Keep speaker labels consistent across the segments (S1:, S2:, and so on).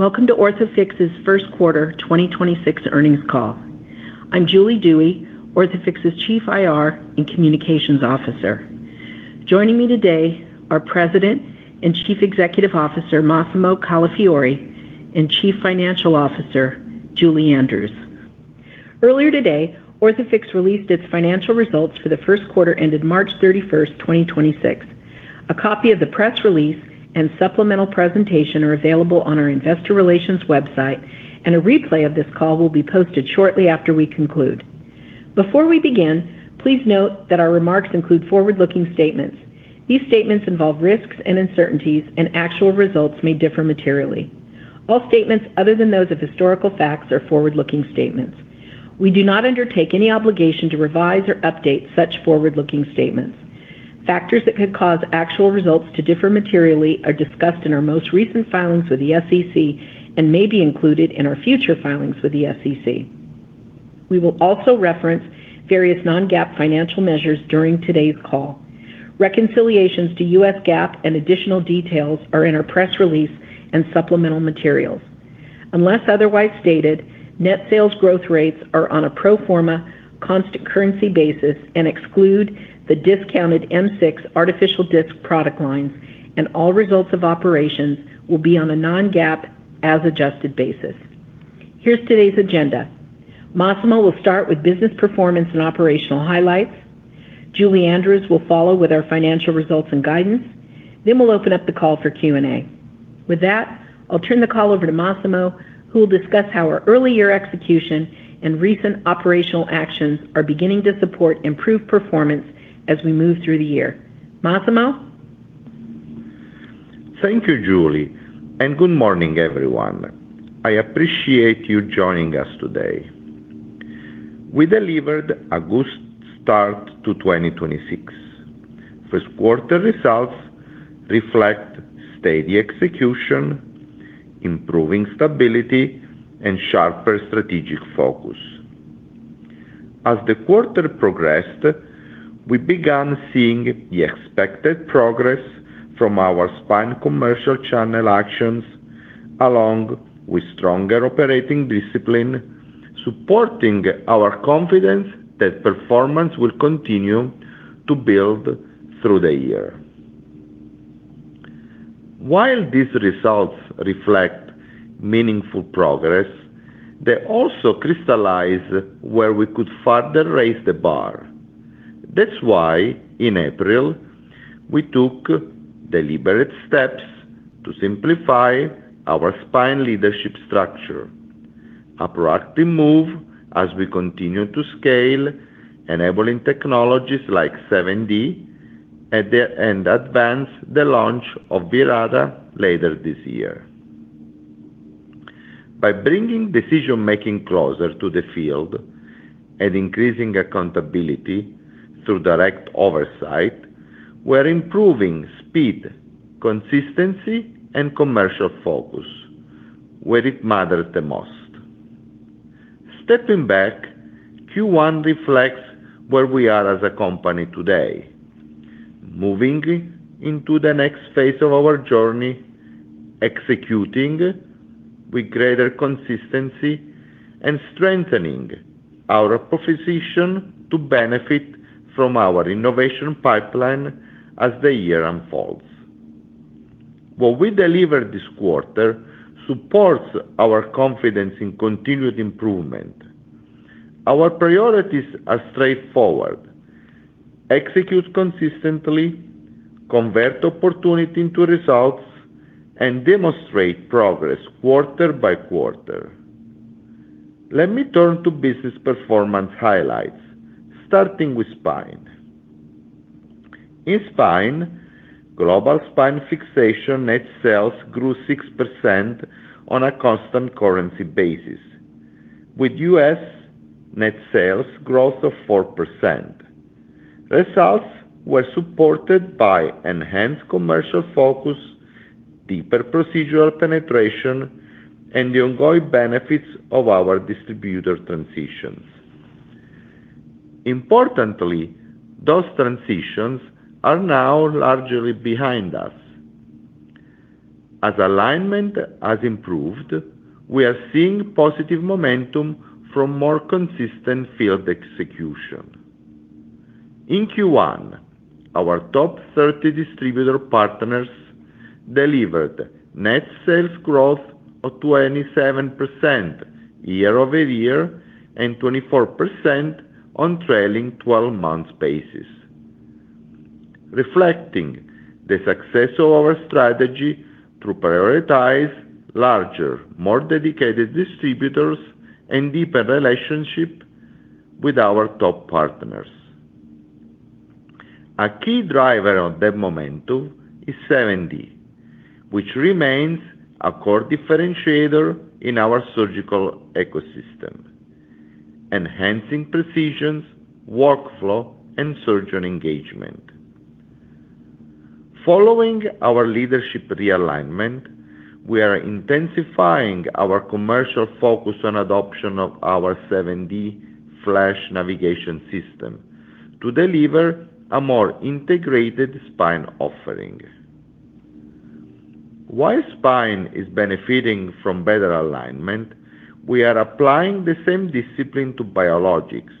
S1: Welcome to Orthofix's first quarter 2026 earnings call. I'm Julie Dewey, Orthofix's Chief IR and Communications Officer. Joining me today are President and Chief Executive Officer, Massimo Calafiore, and Chief Financial Officer, Julie Andrews. Earlier today, Orthofix released its financial results for the first quarter ended March 31st, 2026. A copy of the press release and supplemental presentation are available on our investor relations website, and a replay of this call will be posted shortly after we conclude. Before we begin, please note that our remarks include forward-looking statements. These statements involve risks and uncertainties, and actual results may differ materially. All statements other than those of historical facts are forward-looking statements. We do not undertake any obligation to revise or update such forward-looking statements. Factors that could cause actual results to differ materially are discussed in our most recent filings with the SEC and may be included in our future filings with the SEC. We will also reference various non-GAAP financial measures during today's call. Reconciliations to U.S. GAAP and additional details are in our press release and supplemental materials. Unless otherwise stated, net sales growth rates are on a pro forma constant currency basis and exclude the discounted M6 artificial disc product lines, and all results of operations will be on a non-GAAP as adjusted basis. Here's today's agenda. Massimo will start with business performance and operational highlights. Julie Andrews will follow with our financial results and guidance. We'll open up the call for Q&A. With that, I'll turn the call over to Massimo, who will discuss how our early year execution and recent operational actions are beginning to support improved performance as we move through the year. Massimo?
S2: Thank you, Julie, and good morning, everyone. I appreciate you joining us today. We delivered a good start to 2026. First quarter results reflect steady execution, improving stability, and sharper strategic focus. As the quarter progressed, we began seeing the expected progress from our Spine commercial channel actions along with stronger operating discipline, supporting our confidence that performance will continue to build through the year. While these results reflect meaningful progress, they also crystallize where we could further raise the bar. That's why in April, we took deliberate steps to simplify our Spine leadership structure, a proactive move as we continue to scale enabling technologies like 7D and advance the launch of Virata later this year. By bringing decision-making closer to the field and increasing accountability through direct oversight, we're improving speed, consistency, and commercial focus where it matters the most. Stepping back, Q1 reflects where we are as a company today, moving into the next phase of our journey, executing with greater consistency and strengthening our proposition to benefit from our innovation pipeline as the year unfolds. What we delivered this quarter supports our confidence in continued improvement. Our priorities are straightforward: execute consistently, convert opportunity into results, and demonstrate progress quarter by quarter. Let me turn to business performance highlights, starting with Spine. In Spine, global Spine Fixation net sales grew 6% on a constant currency basis with U.S. net sales growth of 4%. Results were supported by enhanced commercial focus, deeper procedural penetration, and the ongoing benefits of our distributor transitions. Importantly, those transitions are now largely behind us. As alignment has improved, we are seeing positive momentum from more consistent field execution. In Q1, our top 30 distributor partners delivered net sales growth of 27% year-over-year and 24% on trailing 12 months basis, reflecting the success of our strategy to prioritize larger, more dedicated distributors and deeper relationship with our top partners. A key driver of that momentum is 7D, which remains a core differentiator in our surgical ecosystem, enhancing precision, workflow, and surgeon engagement. Following our leadership realignment, we are intensifying our commercial focus on adoption of our 7D FLASH navigation system to deliver a more integrated Spine offering. While Spine is benefiting from better alignment, we are applying the same discipline to Biologics.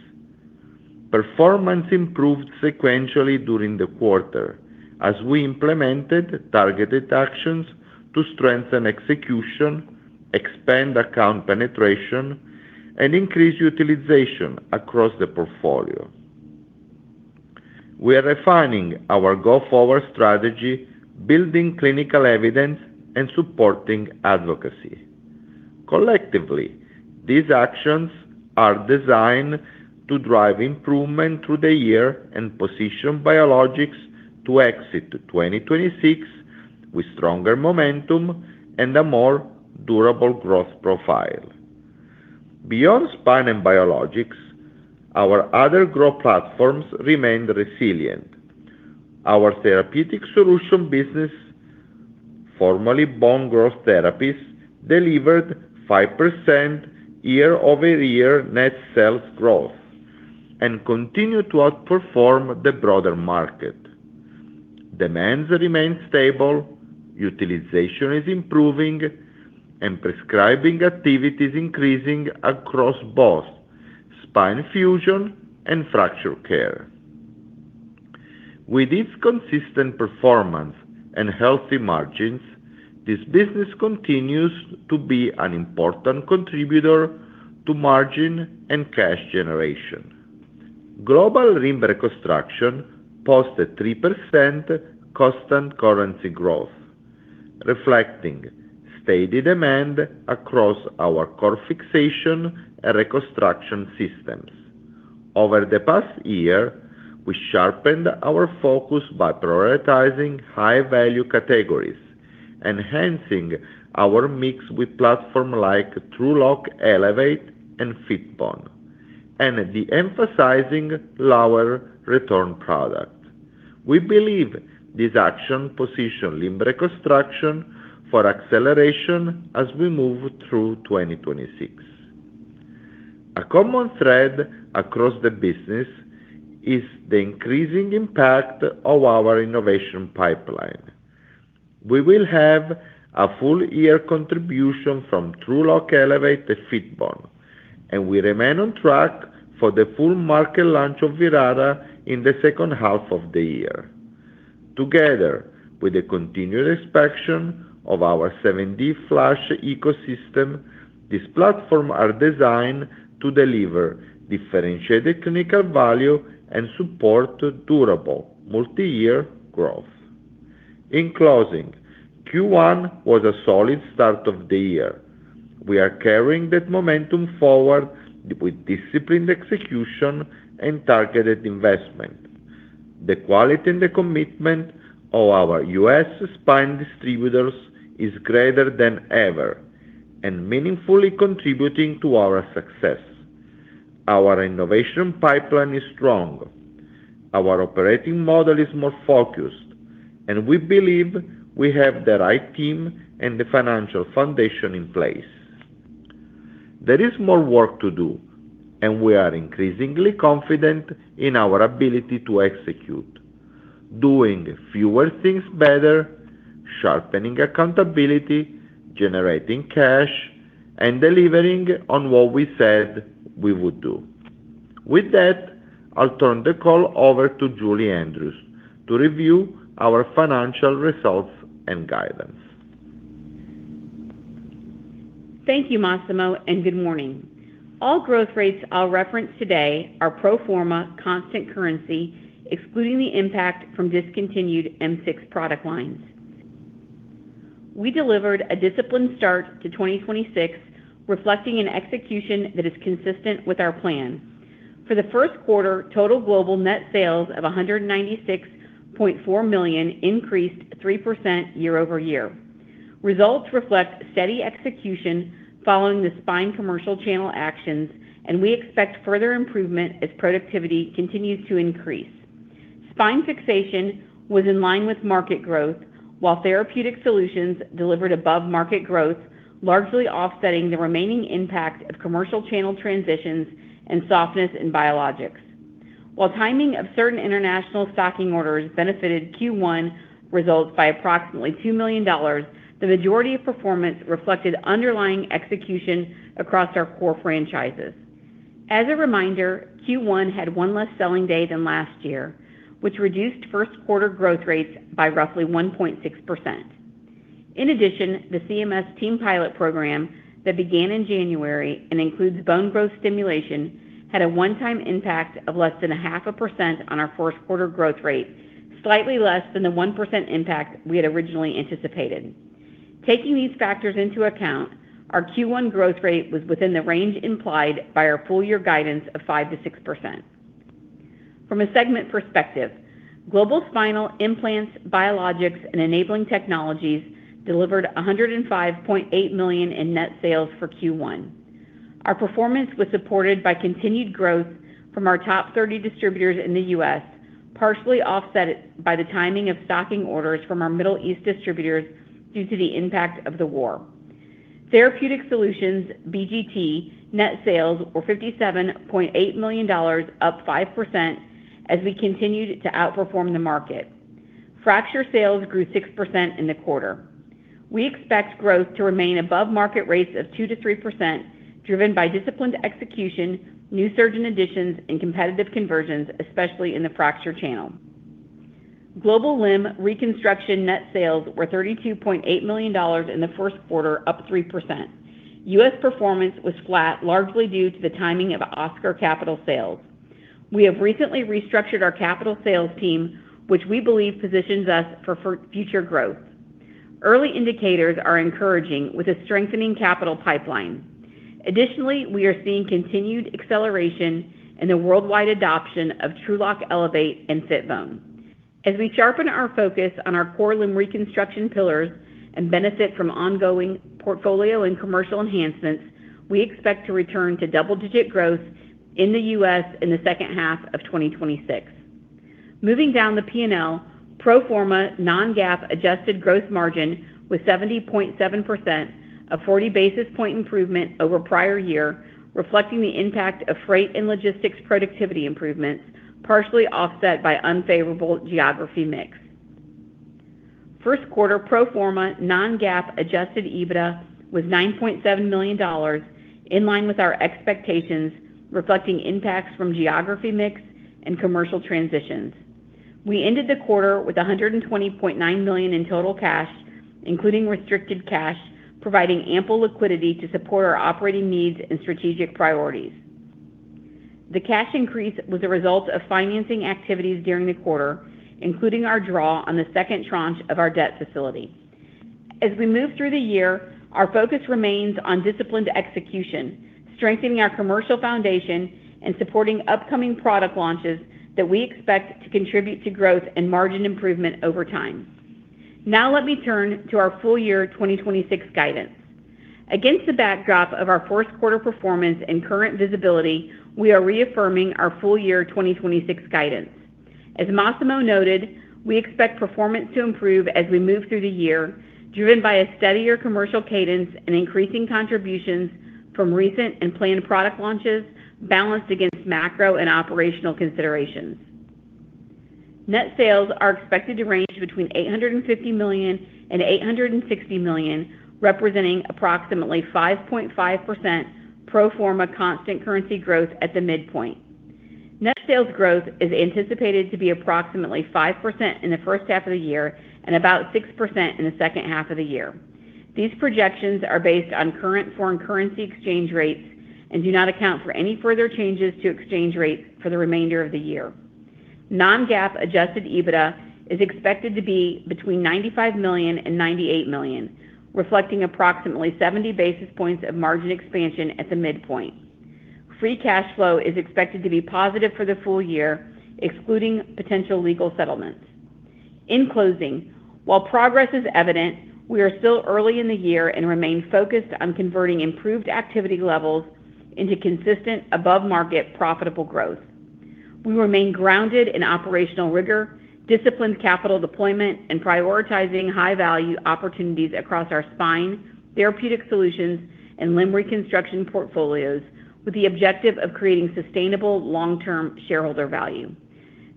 S2: Performance improved sequentially during the quarter as we implemented targeted actions to strengthen execution, expand account penetration, and increase utilization across the portfolio. We are refining our go-forward strategy, building clinical evidence, and supporting advocacy. Collectively, these actions are designed to drive improvement through the year and position Biologics to exit 2026 with stronger momentum and a more durable growth profile. Beyond Spine and Biologics, our other growth platforms remained resilient. Our therapeutic solution business, formerly Bone Growth Therapies, delivered 5% year-over-year net sales growth and continue to outperform the broader market. Demands remain stable, utilization is improving, and prescribing activity is increasing across both spine fusion and fracture care. With its consistent performance and healthy margins, this business continues to be an important contributor to margin and cash generation. Global Limb Reconstruction posted 3% constant currency growth, reflecting steady demand across our core fixation and reconstruction systems. Over the past year, we sharpened our focus by prioritizing high-value categories, enhancing our mix with platform like TrueLok Elevate and Fitbone, and de-emphasizing lower return product. We believe this action position Limb Reconstruction for acceleration as we move through 2026. A common thread across the business is the increasing impact of our innovation pipeline. We will have a full-year contribution from TrueLok Elevate and Fitbone, and we remain on track for the full market launch of Virata in the second half of the year. Together with the continued expansion of our 7D FLASH ecosystem, these platform are designed to deliver differentiated clinical value and support durable multi-year growth. In closing, Q1 was a solid start of the year. We are carrying that momentum forward with disciplined execution and targeted investment. The quality and the commitment of our U.S. Spine distributors is greater than ever and meaningfully contributing to our success. Our innovation pipeline is strong. Our operating model is more focused, and we believe we have the right team and the financial foundation in place. There is more work to do. We are increasingly confident in our ability to execute, doing fewer things better, sharpening accountability, generating cash, and delivering on what we said we would do. With that, I'll turn the call over to Julie Andrews to review our financial results and guidance.
S3: Thank you, Massimo, and good morning. All growth rates I'll reference today are pro forma constant currency, excluding the impact from discontinued M6 product lines. We delivered a disciplined start to 2026, reflecting an execution that is consistent with our plan. For the first quarter, total global net sales of $196.4 million increased 3% year-over-year. Results reflect steady execution following the Spine commercial channel actions, and we expect further improvement as productivity continues to increase. Spine Fixation was in line with market growth, while Therapeutic Solutions delivered above-market growth, largely offsetting the remaining impact of commercial channel transitions and softness in Biologics. While timing of certain international stocking orders benefited Q1 results by approximately $2 million, the majority of performance reflected underlying execution across our core franchises. As a reminder, Q1 had one less selling day than last year, which reduced first quarter growth rates by roughly 1.6%. In addition, the CMS team pilot program that began in January and includes bone growth stimulation had a one-time impact of less than 1/2 a percent on our first quarter growth rate, slightly less than the 1% impact we had originally anticipated. Taking these factors into account, our Q1 growth rate was within the range implied by our full-year guidance of 5%-6%. From a segment perspective, global spinal implants, biologics, and enabling technologies delivered $105.8 million in net sales for Q1. Our performance was supported by continued growth from our top 30 distributors in the U.S., partially offset by the timing of stocking orders from our Middle East distributors due to the impact of the war. Therapeutic Solutions, BGT, net sales were $57.8 million, up 5% as we continued to outperform the market. Fracture sales grew 6% in the quarter. We expect growth to remain above market rates of 2%-3%, driven by disciplined execution, new surgeon additions, and competitive conversions, especially in the fracture channel. Global Limb Reconstruction net sales were $32.8 million in the first quarter, up 3%. U.S. performance was flat, largely due to the timing of OSCAR capital sales. We have recently restructured our capital sales team, which we believe positions us for future growth. Early indicators are encouraging with a strengthening capital pipeline. Additionally, we are seeing continued acceleration in the worldwide adoption of TrueLok Elevate and Fitbone. As we sharpen our focus on our core Limb Reconstruction pillars and benefit from ongoing portfolio and commercial enhancements, we expect to return to double-digit growth in the U.S. in the second half of 2026. Moving down the P&L, pro forma non-GAAP adjusted growth margin was 70.7%, a 40 basis point improvement over prior year, reflecting the impact of freight and logistics productivity improvements, partially offset by unfavorable geography mix. First quarter pro forma non-GAAP adjusted EBITDA was $9.7 million, in line with our expectations, reflecting impacts from geography mix and commercial transitions. We ended the quarter with $120.9 million in total cash, including restricted cash, providing ample liquidity to support our operating needs and strategic priorities. The cash increase was a result of financing activities during the quarter, including our draw on the second tranche of our debt facility. As we move through the year, our focus remains on disciplined execution, strengthening our commercial foundation and supporting upcoming product launches that we expect to contribute to growth and margin improvement over time. Let me turn to our full year 2026 guidance. Against the backdrop of our first quarter performance and current visibility, we are reaffirming our full year 2026 guidance. As Massimo noted, we expect performance to improve as we move through the year, driven by a steadier commercial cadence and increasing contributions from recent and planned product launches balanced against macro and operational considerations. Net sales are expected to range between $850 million and $860 million, representing approximately 5.5% pro forma constant currency growth at the midpoint. Net sales growth is anticipated to be approximately 5% in the first half of the year and about 6% in the second half of the year. These projections are based on current foreign currency exchange rates and do not account for any further changes to exchange rates for the remainder of the year. Non-GAAP adjusted EBITDA is expected to be between $95 million and $98 million, reflecting approximately 70 basis points of margin expansion at the midpoint. Free cash flow is expected to be positive for the full year, excluding potential legal settlements. In closing, while progress is evident, we are still early in the year and remain focused on converting improved activity levels into consistent above market profitable growth. We remain grounded in operational rigor, disciplined capital deployment and prioritizing high value opportunities across our Spine, Therapeutic Solutions and Limb Reconstruction portfolios with the objective of creating sustainable long-term shareholder value.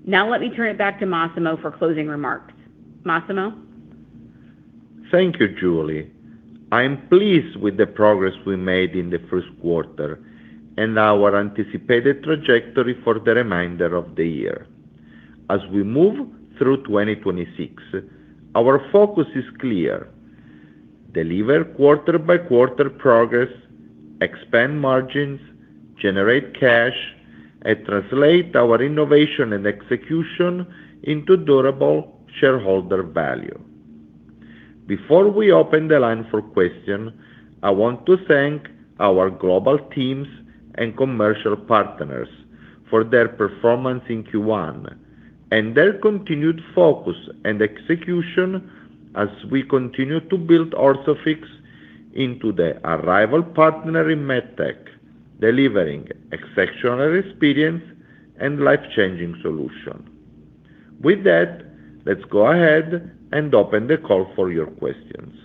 S3: Let me turn it back to Massimo Calafiore for closing remarks. Massimo?
S2: Thank you, Julie. I am pleased with the progress we made in the first quarter and our anticipated trajectory for the remainder of the year. As we move through 2026, our focus is clear. Deliver quarter by quarter progress, expand margins, generate cash, and translate our innovation and execution into durable shareholder value. Before we open the line for question, I want to thank our global teams and commercial partners for their performance in Q1 and their continued focus and execution as we continue to build Orthofix into the unrivaled partner in MedTech, delivering exceptional experience and life-changing solution. With that, let's go ahead and open the call for your questions.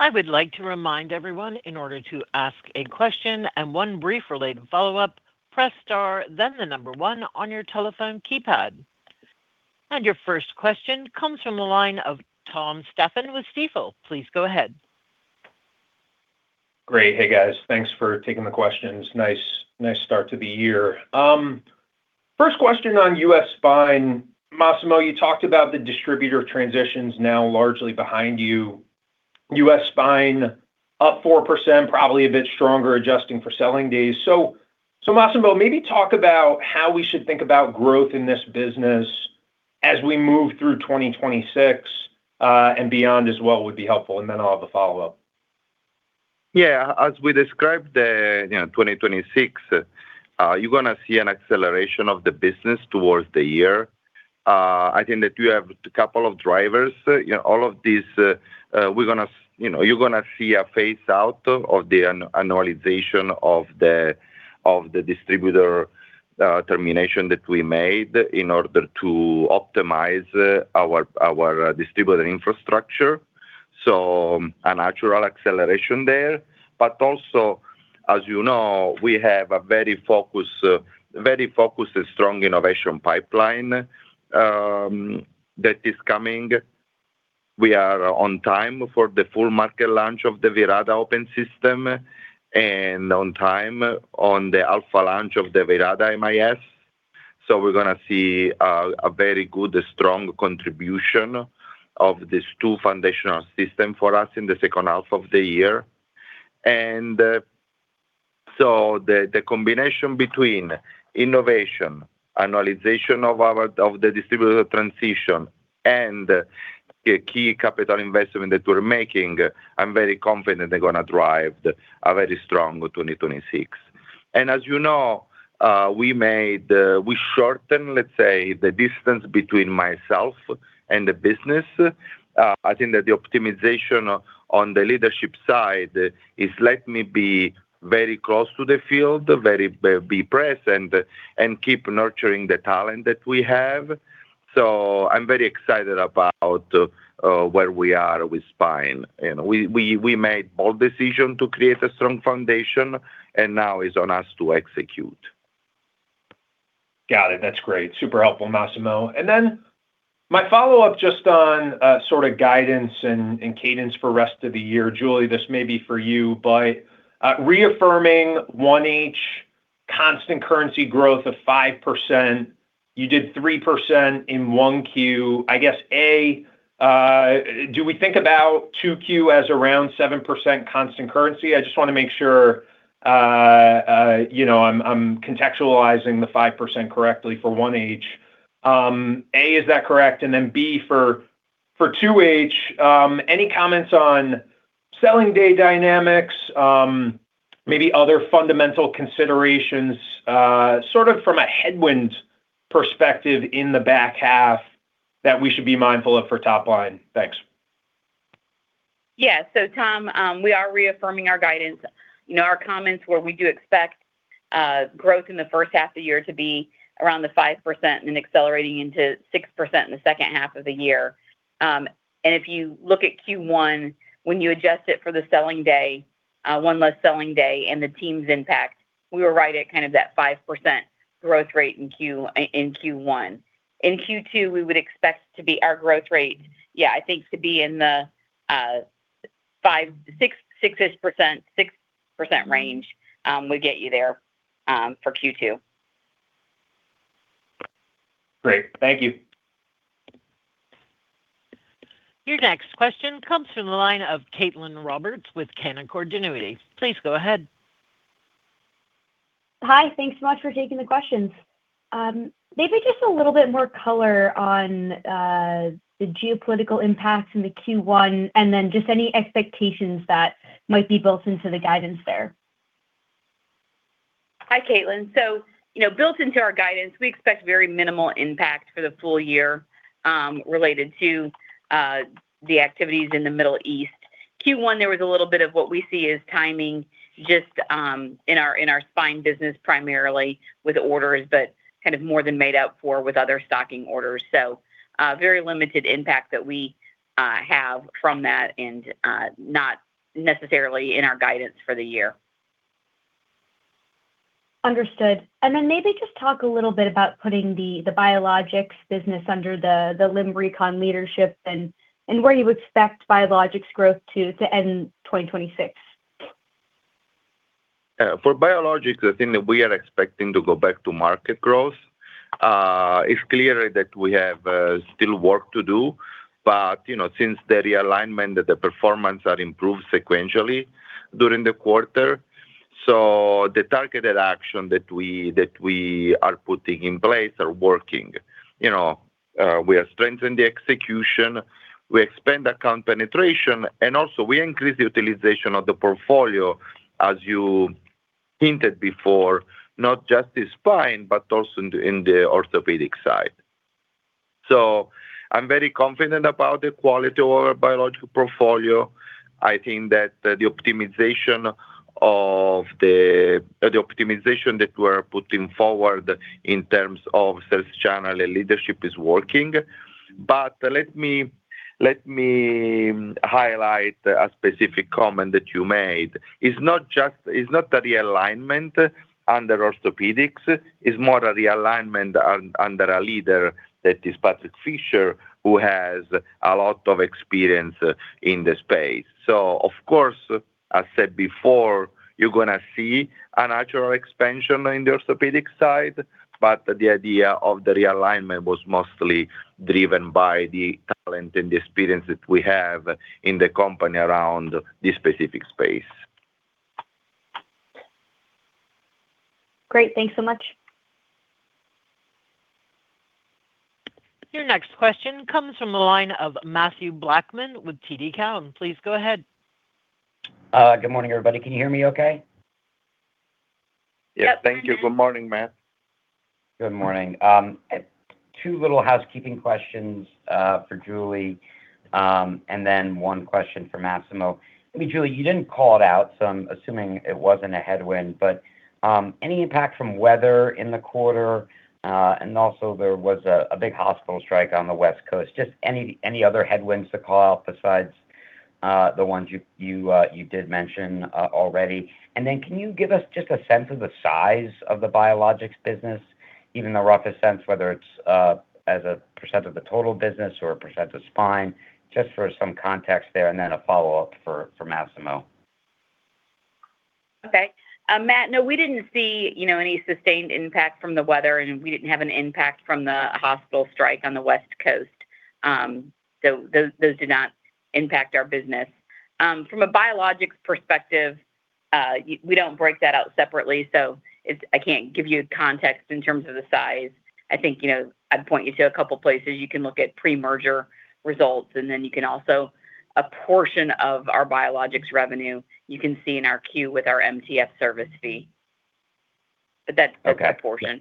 S4: I would like to remind everyone in order to ask a question and one brief related follow-up, press star, then the one on your telephone keypad. Your first question comes from the line of Tom Stefan with Stifel. Please go ahead.
S5: Great. Hey, guys. Thanks for taking the questions. Nice, nice start to the year. First question on U.S. Spine. Massimo, you talked about the distributor transitions now largely behind you. U.S. Spine up 4%, probably a bit stronger adjusting for selling days. Massimo, maybe talk about how we should think about growth in this business as we move through 2026 and beyond as well would be helpful, and then I'll have a follow-up.
S2: Yeah. As we described, you know, 2026, you're gonna see an acceleration of the business towards the year. I think that we have couple of drivers. You know, all of these, you know, you're gonna see a phase out of the annualization of the distributor termination that we made in order to optimize our distributor infrastructure. A natural acceleration there. Also, as you know, we have a very focused and strong innovation pipeline that is coming. We are on time for the full market launch of the Virata open system and on time on the alpha launch of the Virata MIS. We're gonna see a very good strong contribution of these two foundational system for us in the second half of the year. The combination between innovation, annualization of the distributor transition and the key capital investment that we're making, I'm very confident they're gonna drive a very strong 2026. As you know, we made, we shorten, let's say, the distance between myself and the business. I think that the optimization on the leadership side is let me be very close to the field, very be present and keep nurturing the talent that we have. I'm very excited about where we are with Spine. You know, we made bold decision to create a strong foundation, and now it's on us to execute.
S5: Got it. That's great. Super helpful, Massimo. My follow-up just on sort of guidance and cadence for rest of the year. Julie, this may be for you. Reaffirming 1H constant currency growth of 5%, you did 3% in 1Q. I guess, A, do we think about 2Q as around 7% constant currency? I just want to make sure, you know, I'm contextualizing the 5% correctly for 1H. A, is that correct? B, for 2H, any comments on selling day dynamics, maybe other fundamental considerations sort of from a headwind perspective in the back half that we should be mindful of for top line? Thanks.
S3: Yeah. Tom, we are reaffirming our guidance. You know, our comments were we do expect growth in the first half of the year to be around the 5% and then accelerating into 6% in the second half of the year. If you look at Q1, when you adjust it for the selling day, one less selling day and the team's impact, we were right at kind of that 5% growth rate in Q1. In Q2, we would expect to be our growth rate, yeah, I think to be in the 6%, 6% range, would get you there for Q2.
S5: Great. Thank you.
S4: Your next question comes from the line of Caitlin Roberts with Canaccord Genuity. Please go ahead.
S6: Hi. Thanks so much for taking the questions. Maybe just a little bit more color on the geopolitical impact in the Q1, and then just any expectations that might be built into the guidance there.
S3: Hi, Caitlin. You know, built into our guidance, we expect very minimal impact for the full year, related to the activities in the Middle East. Q1, there was a little bit of what we see as timing just in our Spine business, primarily with orders, but kind of more than made up for with other stocking orders. Very limited impact that we have from that and not necessarily in our guidance for the year.
S6: Understood. Maybe just talk a little bit about putting the Biologics business under the Limb Recon leadership and where you expect Biologics growth to end 2026.
S2: For Biologics, I think that we are expecting to go back to market growth. It's clear that we have still work to do, but, you know, since the realignment, the performance are improved sequentially during the quarter. The targeted action that we are putting in place are working. You know, we are strengthening the execution, we expand account penetration, and also we increase the utilization of the portfolio, as you hinted before, not just the Spine, but also in the orthopedic side. I'm very confident about the quality of our biological portfolio. I think that the optimization that we're putting forward in terms of sales channel and leadership is working. Let me highlight a specific comment that you made. It's not the realignment under orthopedics, it's more a realignment under a leader that is Patrick Fisher, who has a lot of experience in the space. Of course, as said before, you're gonna see a natural expansion in the orthopedic side, but the idea of the realignment was mostly driven by the talent and the experience that we have in the company around this specific space.
S6: Great. Thanks so much.
S4: Your next question comes from the line of Matthew Blackman with TD Cowen. Please go ahead.
S7: Good morning, everybody. Can you hear me okay?
S2: Yeah. Thank you. Good morning, Matt.
S7: Good morning. Two little housekeeping questions for Julie, and then one question for Massimo. I mean, Julie, you didn't call it out, so I'm assuming it wasn't a headwind, but any impact from weather in the quarter, and also there was a big hospital strike on the West Coast. Just any other headwinds to call out besides the ones you did mention already. Can you give us just a sense of the size of the Biologics business, even the roughest sense, whether it's as a percent of the total business or a percent of Spine, just for some context there. A follow-up for Massimo.
S3: Okay. Matt, no, we didn't see, you know, any sustained impact from the weather, and we didn't have an impact from the hospital strike on the West Coast. Those did not impact our business. From a Biologics perspective, we don't break that out separately. I can't give you context in terms of the size. I think, you know, I'd point you to a couple of places. You can look at pre-merger results. A portion of our Biologics revenue, you can see in our Q with our MTF service fee.
S7: Okay
S3: A portion.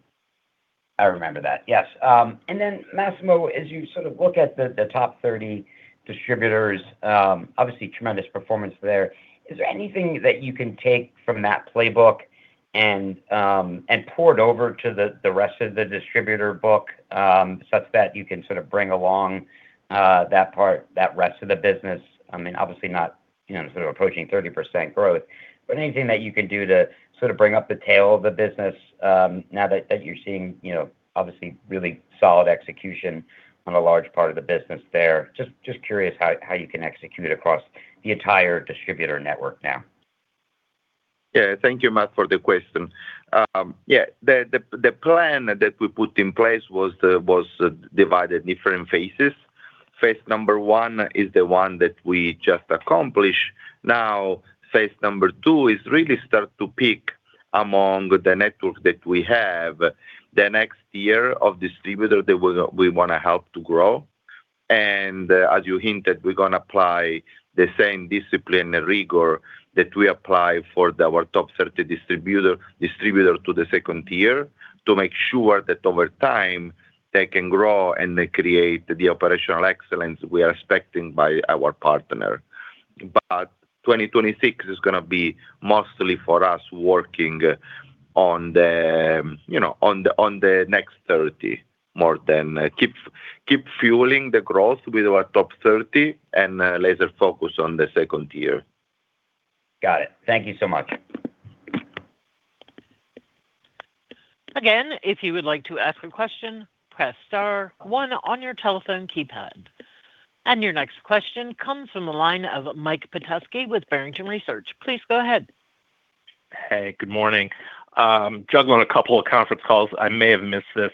S7: I remember that. Yes. Massimo, as you sort of look at the top 30 distributors, obviously tremendous performance there. Is there anything that you can take from that playbook and port over to the rest of the distributor book, such that you can sort of bring along that part, that rest of the business? I mean, obviously not, you know, sort of approaching 30% growth, but anything that you can do to sort of bring up the tail of the business, now that you're seeing, you know, obviously really solid execution on a large part of the business there. Just curious how you can execute across the entire distributor network now.
S2: Yeah. Thank you, Matt, for the question. Yeah, the plan that we put in place was divided different phases. Phase number 1 is the one that we just accomplished. Phase number 2 is really start to pick among the network that we have. The next year of distributor that we wanna help to grow. As you hinted, we're gonna apply the same discipline and rigor that we apply for our top 30 distributor to the second tier to make sure that over time, they can grow and they create the operational excellence we are expecting by our partner. 2026 is gonna be mostly for us working on the, you know, on the next 30, more than keep fueling the growth with our top 30 and laser focus on the second tier.
S7: Got it. Thank you so much.
S4: Again, if you would like to ask a question, press star one on your telephone keypad. Your next question comes from the line of Mike Petusky with Barrington Research. Please go ahead.
S8: Hey, good morning. Juggling a couple of conference calls. I may have missed this.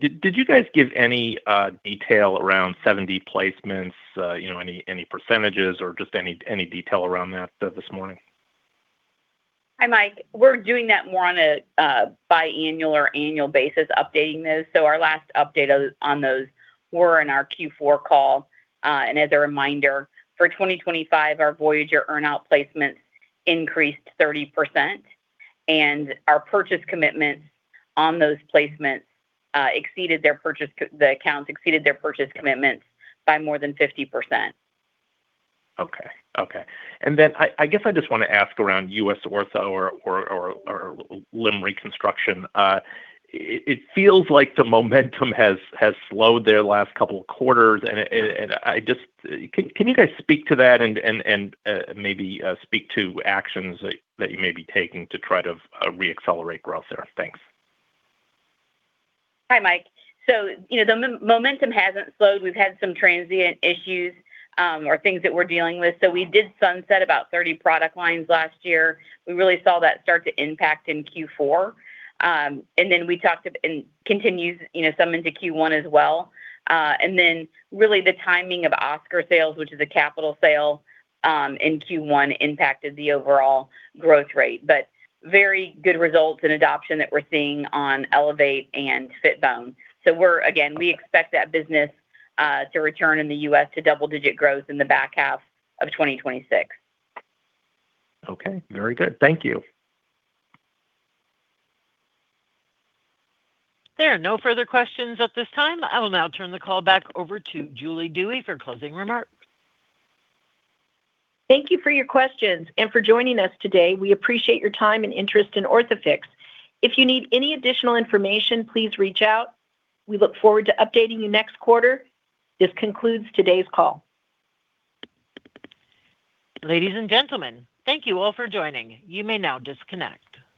S8: Did you guys give any detail around 7D placements, you know, any percentages or just any detail around that this morning?
S3: Hi, Mike. We're doing that more on a biannual or annual basis, updating those. Our last update on those were in our Q4 call. As a reminder, for 2025, our Voyager earn-out placements increased 30%, and the accounts exceeded their purchase commitments by more than 50%.
S8: Okay. Okay. Then I guess I just wanna ask around U.S. Ortho or Limb Reconstruction. It feels like the momentum has slowed there last couple of quarters, and I just can you guys speak to that and maybe speak to actions that you may be taking to try to re-accelerate growth there? Thanks.
S3: Hi, Mike. You know, the momentum hasn't slowed. We've had some transient issues, or things that we're dealing with. We did sunset about 30 product lines last year. We really saw that start to impact in Q4. It continues, you know, some into Q1 as well. Really the timing of OSCAR sales, which is a capital sale, in Q1 impacted the overall growth rate. Very good results and adoption that we're seeing on Elevate and Fitbone. We're, again, we expect that business to return in the U.S. to double-digit growth in the back half of 2026.
S8: Okay. Very good. Thank you.
S4: There are no further questions at this time. I will now turn the call back over to Julie Dewey for closing remarks.
S1: Thank you for your questions and for joining us today. We appreciate your time and interest in Orthofix. If you need any additional information, please reach out. We look forward to updating you next quarter. This concludes today's call.
S4: Ladies and gentlemen, thank you all for joining. You may now disconnect.